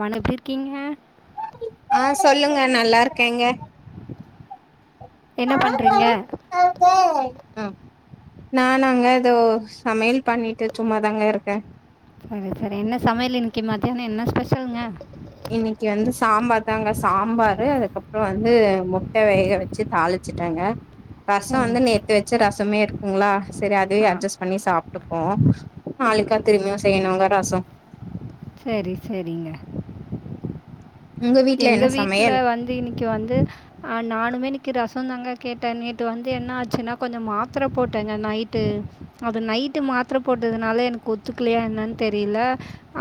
மண எப்டி இருக்கீங்க ஆ சொல்லுங்க நல்லா இருக்கேங்க என்ன பண்றீங்க ம் நானாங்க இதோ சமையல் பண்ணிட்டு சும்மா தாங்க இருக்க சரி சரி என்ன சமையல் இன்னைக்கி மத்தியானோ என்ன ஸ்பெஷல்ங்க இன்னிக்கி வந்து சாம்பார் தாங்க சாம்பாரு அதுக்கப்றோ வந்து முட்ட வேக வச் சி தாழிச்சிட்டங்க ரசோ சரி வந்து ச- நேத்து வச்ச ரசமே இருக்குங்ளா சேரி அதுவே ஆ அஜஸ் பண்ணி சாப்ட்டு ஓ நாளைக்கா திரும்பியு செய்யணுங்க ரசோ சரி சரிங்க உங்க வீட்ல எங்க என்ன வீட்ல சமையல் வந்து இன்னிக்கு வந்து ஆ நானுமே இன்னைக்கி ரசோ தாங்க கேட்ட நேத்து வந்து என்ன ஆச்சுன்னா கொஞ்சோ மாத்துர போட்டங்க நைட்டு அது நைட்டு மாத்திர போட்டதுனால எனக்கு ஒத்துக்கலையா என்னன் தெரியல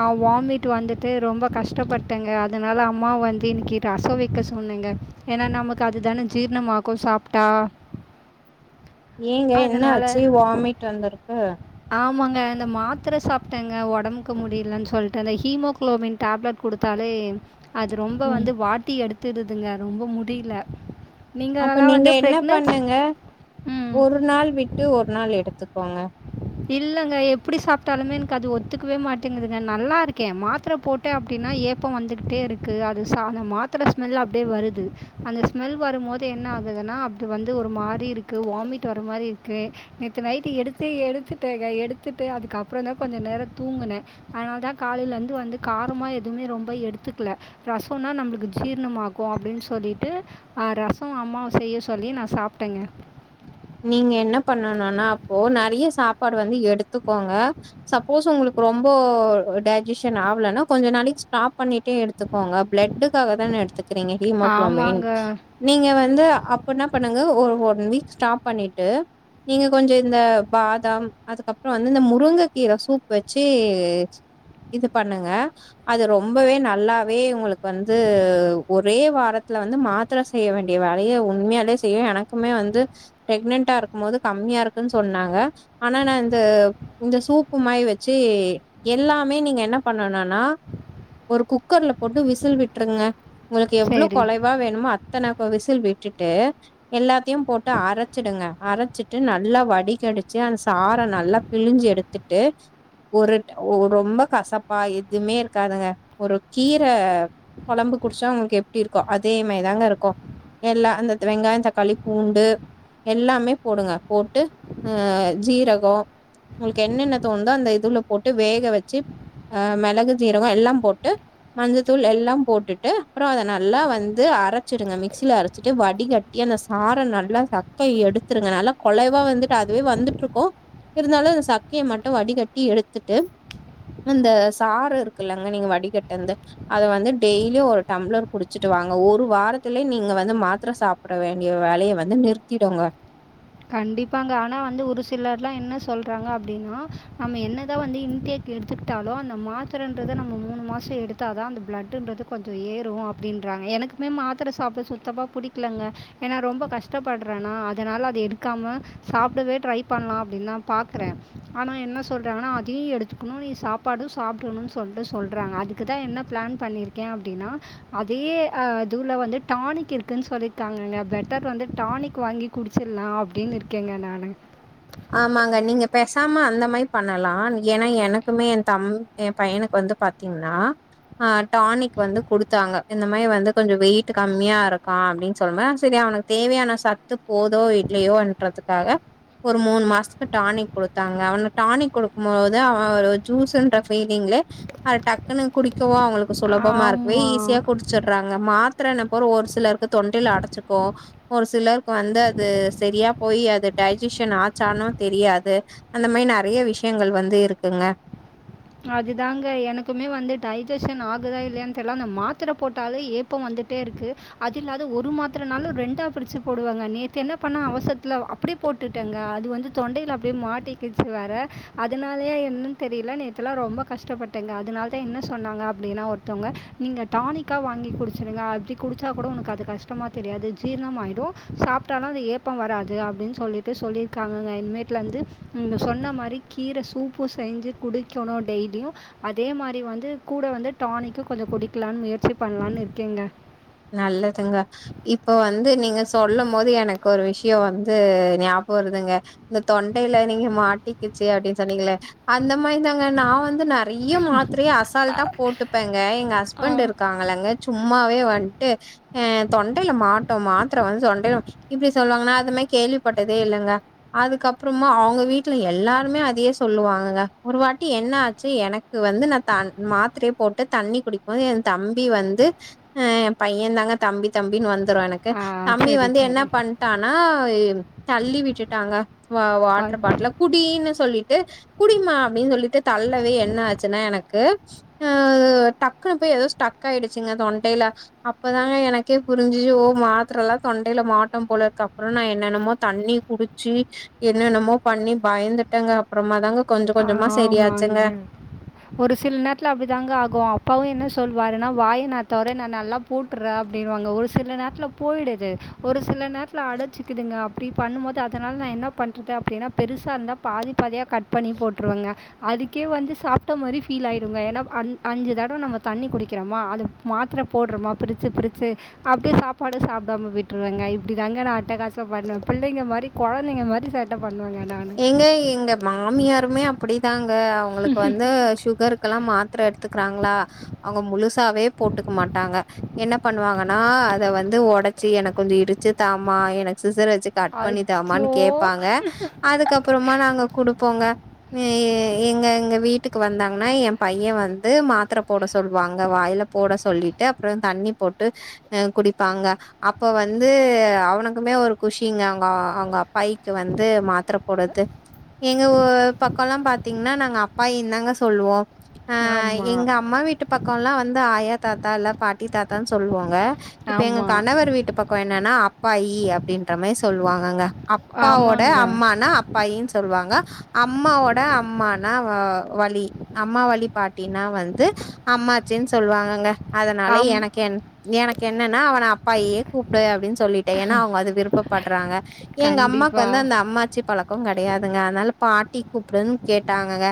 ஆ வாமிட் டு வந்துட்டு ரொம்ப கஷ்டப்பட்டங்க அதனால அம் அம்மாவ வந்து இன்னைக்கி ரசோ வெக்க சொன்னங்க ஏனா நமக்கு அதுதான ஜீரணமாகு சாப்ட்டா ஏங்க என்ன ஆச்சி வாமிட் வந்துருக்கு ஆமாங்க அந்த மாத்துர சாப்ட்டங்க ஒடம்புக்கு முடியலன் சொல்ட்டு அந்த ஹீமோகுளோபின் டப்லட் குடுத்தாலே அது ரொம்ப ம் வந்து வாட்டி எடுத்துடுதுங்க ரொம்ப முடில அப்ப நீங்க என்ன பண்ணுங்க ம். ஒரு நாள் விட்டு ஒரு நாள் எடுத்துக்கோங்க இல்லங்க எப்டி சாப்ட்டாலுமே எனக்கு அது ஒத்துக்கவே மாட்டேங்குதுங்க நல்லா இருக்கே மாத்திர போட் ட அப்டின்னா ஏப்போ வந்துகிட்டே இருக்கு அது சா அந்த மாத்திர ஸ்மெல்லு அப்டியே வருது அந்த ஸ்மெல் வரும்போது என்ன ஆகுதுன்னா அப்டி வந்து ஒரு மாரி இருக்கு வாமிட் வர மாரி இருக்கு நேத்து நைட்டு எடுத்து எடுத்துட்டேங்க எடுத்துட்டு அதுக்கப்றோ தா கொஞ்ச நேரோ தூங்குனே அதனால தா காலைலருந்து வந்து காரமா எதுமே ரொம்ப எடுத்துக்கல ரசோனா நம்ளுக்கு ஜீர்ணமாகு அப்டின் சொல்லிட்டு ஆ ரசோ அம்மாவ செய்ய சொல்லி நா சாப்ட்டேங்க நீங்க என்ன பண்ணனுன்னா அப்போ நறய சாப்பாடு வந்து எடுத்துக்கோங்க சப்போஸ் ஒங்களுக்கு ரொம்போ டைஜிஷன் ஆவலனா கொஞ்ச நாளைக்கி ஸ்டாப் பண்ணி ட்டு‌எடுத்துக்கோங்க பிளட்டுக்காக தான எடுத்துக்கிறீங்க ஹீமோக்குளோமின் ஆமாங்க நீங்க வந்து அப்ப என்ன பண்ணுங்க ஒரு ஒன் வீக் ஸ்டாப் பண்ணிட்டு நீங்க கொஞ்சோ இந்த பாதாம் அதுக்கப்றோ வந்து இந்த முருங்க கீர சூப் வச்சு இது பண்ணுங்க அது ரொம்பவே நல்லாவே ஒங்களுக்கு வந்து ஒரே வாரத்துல வந்து மா த்ர செய்ய வேண்டிய வேலய உண்மயாலே செய்யு எனக்குமே வந்து பிரெக்னன்ட்டா இருக்கும்போது கம்மியாருக்குன் சொன்னாங்க ஆனா நா இந்த இந்த சூப்பு மாரி வச்சு எல்லாமே நீங்க என்ன பண்ணனுனா ஒரு குக்கர்ல போட்டு விசில் விட்ருங்க ஒங்களுக்கு எவ்ளோ சரி கொழைவா வேணுமோ அத்தன விசில் விட்டுட்டு எல்லாத்தையு போட்டு அர ச்சிடுங்க அரச்சிட்டு நல்லா வடிகடிச்சிஅந்த சாற நல்லா பிழிஞ்சு எடுத்துட்டு ஒரு ட்‌ ஓ ரொம்ப கசப்பா எதுமே இருக்காதுங்க ஒரு கீர கொழம்பு குடிச்சா ஒங்களுக்கு எப்டி இருக்கு அதே மாரிதாங்க இருக்கு எல்லா அந்த வெங்காயோ தக்காளி பூண்டு எல்லாமே போடுங்க போட்டு ஆ‌ சீரகோ ஒங்களுக்கு என்னென்ன தோணுதோ அந்த இதுவ்ல போட்டு வேக வச்சு ஆ மெளகு சீரகோ எல்லா போட்டு மஞ்சத்தூள் எல்லா போட்டுட்டு அப்றோ அத நல்லா வந்து அரச்சிடுங்க மிக்ஸில அரச்சிட்டு வடிகட் யே அந்த சாற நல்லா சக்க எடுத்துருங்க நல்லா கொழைவா வந்துட்டு அதுவே வந்துட்ருக்கு இருந்தாலு அந்த சக்கய மட்டு வடிகட்டி எடுத்துட்டு அந்த சாற இருக்கல்லங்க நீங்க வடிகட்டந்த அத வந்து டெய்லியு ஒரு டம்ளர் குடிச்சுட்டு வாங்க ஒரு வாரத்திலே நீங்க வந்து மாத்ர சாப் பற வேண்டிய வேலய வந்து நிறுத்திடுங்க கண்டிப்பாங்க ஆனா வந்து ஒரு சிலர்லா என்ன சொல்றாங்க அப்டின்னா நம்ம என்னதா வந்து இன்டேக் கு எடுத்துக்கிட்டாலு அந்த மாத்ரன்றது நம்ம மூணு மாசோ எடுத்தா தா அந்த பிளட்டுன்றது கொஞ்சோ ஏறு அப்டின்றாங்க எனக்கு மே மாத்ர சாப்ட சுத்தமா பிடிக்லங்க ஏனா ரொம்ப கஷ்டப்பட்றேன்னா அதனால அது எடு க்காம சாப்டவே ட்ரை பண்லா அப்டின்னா பாக்றே ஆனா என்ன சொல்றாங்கன்னா அதயு எடுத்துக்கணு நீ சா ப்பாடு‌ சாப்டணுன் சொல்ட்டு சொல்றாங்க அதுக்கு தா என்ன ப்ளான் பண்ணிருக்கே அப்டின்னா அதே அதுல வந்து டானிக் இருக்குன் சொல்லிருக்காங்கங்க பெலட்டர் வந்து டானிக் வாங்கி குடிச்சிட்லா அப்டின் இருக்கேங்க நானு ஆமாங்க நீங்க பேசாம அந்த மாரி பண்ணலா ஏனா எனக்குமே எ தம் எ பையனுக்கு வந்து பாத்தீங்னா ஆ டானிக் வந்து குடுத்தாங்க இந்த மாரி வந்து கொஞ்சோ வெயிட்டு கம்மியாருக்கா அப்டின் சொன்னமே செரி அவனு தேவயான சத்து போதோ இல்லயோன்றதுக்காக ஒரு மூண் மாசத்துக்கு டானிக் குடுத்தாங்க அவன டானிக் குடுக்கும்போது அவே ஒரு ஜூஸுன்ற ஃபீலிங்லே அது டக்குனு குடிக்கவோ அவுங்களுக்கு சுலபமா இருக்கவே ஆமாம் ஈஸியா குடிச் சறாங்க மாத்ரன்ன பாரு ஒரு சிலருக்கு தொண்டைல அடச்சுக்கோ ஒரு சிலருக்கு வந்து அது செரியா போயி அது டை ஜிஷன் ஆச்சானு தெரியாது அந்த மாரி நறைய விஷ்யங்கள் வந்து இருக்குங்க அதுதாங்க எனக்குமே வந்து டைஜஷன் ஆகுதா இல்லயான் தெர்ல அந்த மாத்தர போட்டாலே ஏப் போ வந்துட்டே இருக்கு அது இல்லாத ஒரு மாத்திரனாலு ரெண்டா பிரிச்சு போடுவங்க நேத்து என்ன பண்ண அவசரத்துல அப்டியே போட்டுட்டங்க அது வந்து தொண்டையில அப்டியே மாட்டிக்கிச்சு வேற அதனாலயா என்னனு தெரியில நேத் துலா ரொம்ப கஷ்டப்பட்டங்க அதனாலதா என்ன சொன்னாங்க அப்டின்னா ஒருத்தவ்ங்க நீங்க டானிக் க்கா வாங்கி குடுச்சுடுங்க அப்டி குடிச்சா கூட உனக்கு அது கஷ்டமா தெரியாது ஜீரணம் ஆயிடு சாப்டாலு அது ஏ ப்போ வராது அப்டின் சொல்லிட்டு சொல்லிருக்காங்கங்க இனிமேட்ல இருந்து ங்க சொன்ன மாரி கீர சூப்பு செஞ்சு குடிக்கணு டெய்லியு அதே மாரி வந்து கூட வந்து டானிக்கு கொஞ்ச குடிக்கலானு முயற்சி பண்லானு இருக்கேங்க நல்லதுங்க இப்ப வந்து நீங்க சொல்லு போது எனக்கு ஒரு விஷயோ வந்து ஞாபக வருதுங்க இந்த தொண்டையில நீங்க மாட்டிக்குச்சு அப்டின்னு சொன்னீங்கள அந்த மாரி தாங்க நா வந்து நெ நெறைய மாத்ரைய அசால்ட்டா போட்டுப்பேங்க எங்க ஆ ஹஸ்பண்ட் இருக்காங்கள்ளங்க சும்மாவே வந் டு அ தொண்டைல மாட்டு மாத்தர வந்து தொண்டைல இப்டி சொல்லுவாங்க நா அத நா கேள்விப்பட்டதே இல்லங்க அதுக்கப்பறமா அவுங்க வீட்ல எல்லாருமே அதையே சொல்லுவாங்கங்க ஒரு வாட்டி என்ன ஆச்சு எனக் கு வந்து நா தண் மாத்ரைய போட்டு தண்ணி குடிக்கும் போது எ தம்பி வந்து அ பைய தாங்க தம்பி தம்பின்னு வந்துரு எனக் கு ஆ தம்பி சரி வந்து என்ன சரி பண்ட்டானா தள்ளி விட்டுடாங்க வா வாட்ரு பாட்ல குடீனு சொல்லிட்டு குடிங்மா அப்டின்னு சொல்லிட்டு தள்ளவே என்ன ஆச்சுனா எனக்கு அ டக்குனு போய் எதோ ஸ்டக் ஆயிடுச்சுங்க தொண்டைல அப்பதாங்க எனக்கே புரிஞ்சுசு ஓ மாத்ரலா தொண்டைல மாட்டும் போலக்கு அப்றோ நா என்னென்னமோ தண்ணி குடிச் ச்சு என்னென்னமோ பண்ணி பயந்துட்டங்க அப்பறமாதாங்க கொஞ்ச ஆ கொஞ்சமா சரியாச்சுங்க ஆமாங்க ஒரு சில நேரத்துல அப்டி தாங்க ஆகு அப்பாவு என்ன சொல்வாருன்னா வாயி நா தொற நா நல்லா போட்ற அப்டினுவாங்க ஒரு சில நேரத்ல போயிடுது ஒரு சில நேரத்ல அடைச்சுக்குதுங்க அப்டி பண்ணும் போது அதனால நா என்ன பண்றது அப்டின்னா பெருசா இருந்தா பாதி பாதியா கட் பண்ணி போட்ருவங்க அதுக்கே வந்து சாப்ட்ட மாரி ஃபீல் ஆயிடுங்க ஏன்னா அஞ் அஞ்சு தடவ நம்ம தண்ணி குடிக்கிறமா அது மாத்ர போட்றமா பிரிச்சு பிரிச்சு அப்டியே சாப்பாடு சாப்டாம விட்ருவங்க இப்டி தாங்க நா அட்டகாசா பண்ணுவ பிள்ளைங்க மாரி கொழந்தைங்க மாரி சே டா பண்ணுவங்க நானு ட்ட எங்க மாமியாருமே அப்டிதாங்க அவங்களுக்கு வந்து சுகருக்கெல்லா மா த்ர எடுத்துக்றாங்களா அவுங்க முழுசாவே போட்டுக்க மாட்டாங்க என்ன பண்ணுவாங்க னா அத வந்து ஒடச்சு எனக்கு கொஞ் இடிச்சு தாமா எனக்கு சிஸர் வச்சு கட் பண்ணி அச்சோ தாமான்னு கேப்பாங்க அதுக்கப்பறமா நாங்க குடுப்போங்க எ எ எங்க எங்க வீட்டுக்கு வந்தாங்கன்னா எ பைய வந்து மாத்ர போட சொல்லுவாங்க வாய்ல போட சொல்லிட்டு அப்றோ தண்ணி போட்டு அ குடிப்பாங்க அப்ப வந்து அவனுக்குமே ஒரு குஷிங்க அவுங்க அவுங்க அப்பாயிக்கு வந்து மாத் த்ர போடது எங்க ஊ பக்கல்லா பாத்தீங்கன்னா நாங்க அப்பாயினு தாங்க சொல்லுவோ அ ஆமாம் எங்க அம்மா வீட்டு பக்கொல்லா வந்து ஆயா தாத்தா இல்ல பாட்டி தாத்தான் சொல்லுவோங்க இப்ப எங்க ஆமாம் கணவர் வீட்டு பக்கோ என்னன்னா அப்பாயி அப்டின்ற மாரி சொல்லுவாங்கங்க அப்பாவோட ஆமாங்க. அம்மா னா அப்பாயின் சொல்வாங்க அம்மாவோட அம்மானா வழி அம்மா வழி பாட்டினா வந்து அம்மாச்சின்னு சொல்லுவாங்கங்க அதனால ஆம். எனக்கு என் எனக்கு என்னனா அவன அப்பாயியே கூப்டு அப்டின் சொல்லிட்ட ஏன்னா அவங்க அது விருப்பப்படுறாங்க எங்க அம்மாக்கு கண்டிப்பா. வந்து அந்த அம்மாச்சி பழக்க கெடையாதுங்க அதனால பாட்டி கூப்டுன் கேட்டாங்கங்க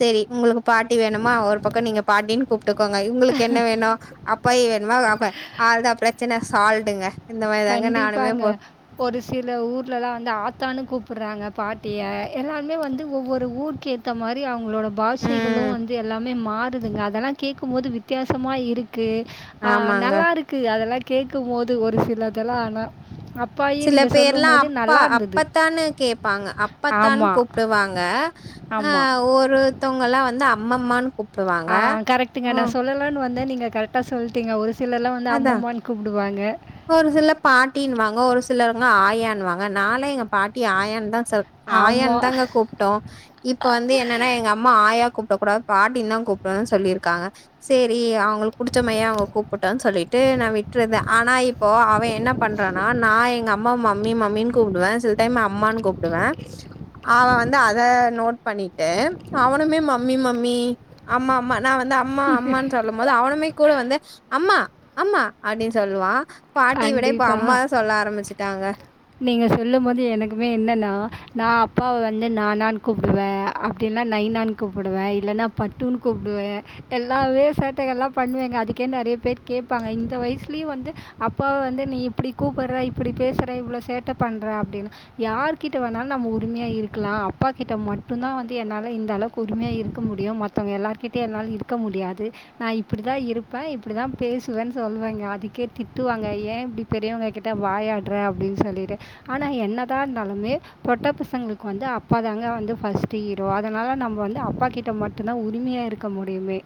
செரி உங்களுக்கு பாட்டி வேணுமா ஒரு பக்க நீங்க பாட்டின் கூப் ட்டுக்கோங்க உங்களுக்கு என்ன வேணு அப்பாயி வேணுமா அவ்ளதா பிரச்சன சால்டுங்க இந்த மாரிதாங்க நானுமே கண்டிப்பாங்க. போ ஒரு சில ஊர்லல்லா வந்து ஆத்தான்னு கூப்டுறாங்க பாட்டிய எல்லருாமே வந்து ஒவ்வொரு ஊருக்கேத் த மாரி அவங்களோட பாஷைகளு ம் வந்து எல்லாமே மாறுதுங்க அதெல்லா கேக்குபோது வித்தியாசமா இருக்கு ஆ ஆமாங்க. நல்லாருக்கு அதெல்லா கேக்குபோது ஒரு சிலதுலா ஆனா அப்பாயி சில நீங்க பேர்லா சொல்லும்போது அப்பா நல்லாருந்தது. அப்பத்தான்னு கேப்பாங்க அப்பத்தான் ஆமா, கூப்டுவாங்க ஆ ஆமா. ஒருத்தவங்கல்லா வந்து அம்மம்மான் கூப் ஆ கரெக்ட்டுங்க நா சொல்லல சொல்லனு வந்த நீங்க கரெக்டா சொல்ட்டீங்க ஒரு சிலர்ல்லா வந்து அதா. அம்மம்மான்னு கூப்டுவாங்க ஒரு சில பாட்டினுவாங்க ஒரு சிலருங்க ஆயான்வாங்க நாலா எங்க பாட்டி ஆயான்தா ச ஆயான் ஆமா. தாங்க கூப்ட்டோ இப்ப வந்து என்னனா எங்க அம் மா ஆயா கூப்டக் கூடாது பாட்டின் தா கூப்டுன் சொல்லிருக்காங்க செரி அவங்களுக்கு புடிச்சமாரியே அவங்க கூப் டம் சொல்ட்டு நா விட்றது ஆனா இப்போ அவன் என்ன பண்றானா நா எங்க அம்மா மம்மி மம்மின் கூப்டுவ சில டைம் அம்மான்னு கூப்டுவ அவன் வந்து அத நோட் பண்ணிட்டு அவனுமே மம்மி மம்மி அம்மா அம்மா நா வந்து அம்மா அம்மான் ச சொல்லும் போது அவனமே கூட வந்து அம்மா அம்மா அப்டின் சொல்லுவா பாட்டி விட இப்ப கண்டிப்பா. அம்மாதா சொல்ல ஆரம்பிச்சுட்டாங்க நீங்க சொல்லு போது எனக்குமே என்னனா நா அப்பாவ வந்து நானான் கூப்டுவே அப்டினா நைநான் கூப்டுவ இல்லன்னா பட்டுன் கூப்டுவ எல்லாவே சேட்டைகல்லா பண்ணுவேங்க அதுக்கே நெறய பேர் கேப்பாங்க இந்த வயசுலயு வந்து அப்பாவ வந்து நீ இப்டி கூப்டுற இப்டி பேசுற இவ்ளோ சேட்டை பண்ற அப்டின்னு யார் கிட்ட வேணாலு நம்ம உரிமையா இருக்கலா அப்பா கிட்ட மட்டும்தா வந்து என்னால இந்த அளவுக்கு உரிமையா இருக்க முடியு மத் த்தங்க எல்லாருகிட்டயு என்னால இருக்க முடியாது நா இப்டிதா இருப்ப இப்டிதா பேசுவேன் சொல்வேங்க அதுக்கே திட்டுவாங்க ஏ இப்டி பெரியவங்க கிட்ட வாயாடுற அப்டின் சொல்லிட்டு ஆனா என்னதாக இருந்தாலுமே பொட்ட பசங்களுக்கு வந்து அப்பாதாங்க வந்து ஃபர்ஸ்ட் ஹீரோ அதனால நம்ம வந்து அப்பா கிட் மட்டுதா உரிமையா இருக்க முடியுமே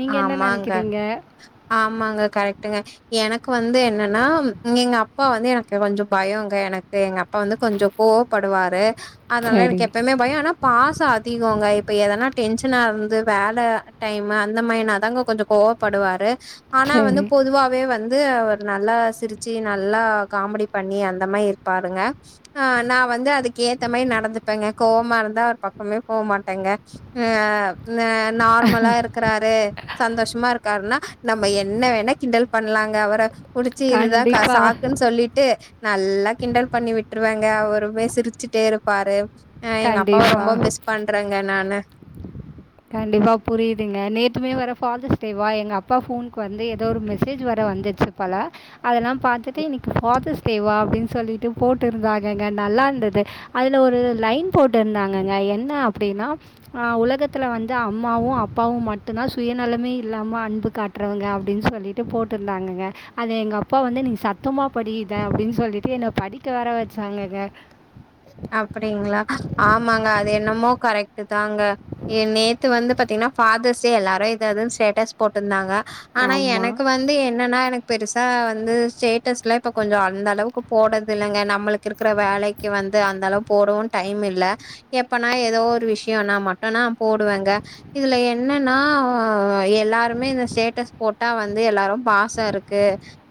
நீங்கள் என்ன ஆமாங்க நினைக்கிறீங்க ஆமாங்க கரெக்ட்டுங்க எனக்கு வந்து என்னனா எங்க அப்பா வந்து எனக்கு கொஞ்சோ பயங்க எனக்கு எங்க அப் அப்பா வந்து கொஞ்சோ கோவப்படுவாரு அதனால சரி எனக்கு எப்பமே பய ஆனா பாச அதிகங்க இப்ப எதனா டென்ஷனா இருந்து வேல டைம் அந் ந்த மாரினாதாங்க கொஞ்சோ கோவப்படுவாரு ஆனா வந்து சரி பொதுவாவே வந்து அவ நல்லா சிரிச்சு நல்லா காமெடி பண்ணி அந்த மாரி இருப்பாருங்க அ நா வந்து அதுக் க்க ஏத்த மாரி நடந்துப்பேங்க கோவமா இருந்தா அவர் பக்கமே போ மாட்டேங்க ஆ நார்மலா இருக் வரு சந்தோஷமா இருக்காருன்னா நம்ம என்ன வேணா கிண்டல் பண்லாங்க அவர புடுச்சு இதுதா கண்டிப்பாக சாக்குன் சொல்லிட்டு நல்லா கிண்டல் பண்ணி விட்ருவேங்க அவருமே சிரிச்சுட்டே இருப்பாரு ஆ எங்க அப்பாவ ரொம்ப கண்டிப்பாக மிஸ் பண்றேங்க நானு கண்டிப்பா புரியுதுங்க நேத்துமே வேற ஃபாதர்ஸ்டேவா எங்க அப்பா ஃபோனுக்கு வந்து ஏதோ ஒரு மெசேஜ் வேற வந்துச்சு பலா அதெல்லா பாத்துட்டு இன்னிக்கு ஃபாதர்ஸ் டேவா அப்டின் சொல்லிட்டு போட்டுருந்தாங்கங்க நல்லாருந்தது அதுல ஒரு லைன் போட்டுருந்தாங்கங்க என்ன அப்டினா ஆ உலகத் துல வந்து அம்மாவு அப்பாவு மட்டுதா சுயநலமே இல்லாம அன்பு காட்றவங்க அப்டின் சொல்லி டு போட்டுருந்தாங்கங்க அது எங்க அப்பா வந்து நீ சத்தமா படி இத அப்டின் சொல்லிட்டு என்ன படிக் கவேற வெச்சாங்கங்க அப்டிங்ளா ஆமாங்க அது என்னமோ கரெக்ட் டு தாங்க நேத்து வந்து பாத்தீங்கனா ஃபாதர்ஸ் டே எல்லாரு இது அதுன் ஸ்டேட்டஸ் போட்ருந்தாங்க ஆனா ஆமா. எனக்கு வந்து என்னன்னா எனக் பெருசா வந்து ஸ்டேட்ஸ்லா இப்ப கொஞ்சோ அந்த அளவுக்கு போட்றது இல்லங்க நம்ளுக்கு இருக்குற வேலைக்கு வந் து அந்த அளவு போடவு டைம் இல்ல எப்பனா எதோ ஒரு விஷ்யோனா மட்டும்னா போடுவேங்க இதுல என்னன்னா எல்லாருமே இந்த ஸ்டேட்டஸ் போட்டா வந்து எல்லாரு பாசோ இருக்கு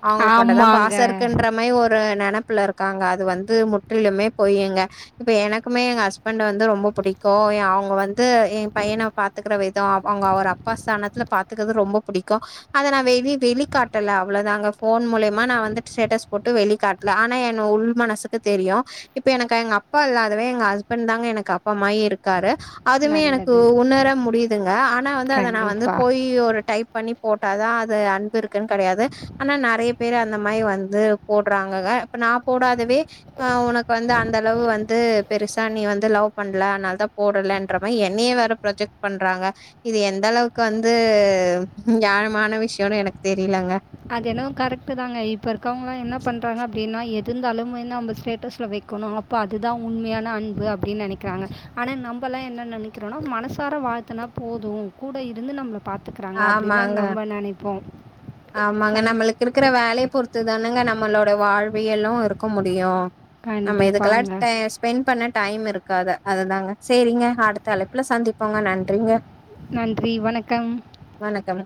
அவுங்குளுக் மட்டுதா ஆமாங்க. பாச இருக்குன்ற மாரி ஒரு நெனப்புல இருக்காங்க அது வந்து முற்றிலுமே பொயுங்க இப்ப எனக்குமே எங்க ஹஸ்பண்ட வந்து ரொம்ப புடிக்கு அவுங்க வந்து எ பையன பாத் பாத்துக்குற விதோ அவுங்க அவர் அப்பா ஸ்தானத்துல பாத்துக்கறது ரொம்ப புடிக்கு அத நா வெளி வெளிகாட்டல அவ்ளோதாங்க போன் மூலியமா நா வந்து ஸ்டேட்டஸ் போட்டு வெளிகாட் ல ஆனா என் உள் மனசுக்கு தெரியு இப்ப எனக்கு எங்க அப்பா இல்லாதவே எங்க ஹஸ்பண்ட் தாங்க எனக்கு அப்பா மாரி இருக்காரு அதுமே எனக்கு நல்லது. உணர முடியுதுங்க ஆனா வந்து அத நா வந்து கண்டிப்பா. போய் ஒரு டைப் பண்ணி போட்டாதா அது அன்பு இருக்குன் கடையாது ஆனா நறைய பேரு அந்த மாரி வந்து போட்றாங்கங்க இப்ப நா போடாதவே அ உனக் இப்ப வந்து அந்த அளவு வந்து பெருசா நீ வந்து லவ் பண்ல அன்னாலதா போடலன்றமாரி என்னையே வேற ப்ரோஜெக்ட் பண்றாங்க இது எந்த அளவுக்கு வந்து ஞாயாமான விஷ்யோனு எனக்கு தெரிலங்க அது எனவோ கரெக்ட்டுதாங்க இப்ப இருக்கவங்ளா என்ன பண்றாங்க அப்டினா எது இருந்தாலுமே நம்ம ஸ்டேட்டஸ்ல வெக்கணு இப்ப அதுதா உண்மையான அன்பு அப்டின் நெனைக்குறாங்க ஆனா நம்பளா என்ன நெனைக்கறோன மனசார வாழ்த்தனா போதும் கூட இருந்து நம்மள பாத்துக்கறாங்க அப்டின்தா நம்ம நெனைப்போ ஆமங்க நம்முளுக்கு இருக்குற வேலைய பொறுத்துதானங்க நம்மளோட வாழ்வியல்லு இருக்க முடியு நம்ம இதுக்கல்லா கண்டிப்பாங்க டைம் ஸ்பெண்ட் பண்ண டைம் இருக்காத அதுதாங்க சேரிங்க அடு தலைப்புல சந்திப்போங்க நன்றிங்க நன்றி வணக்கம் வணக்கம்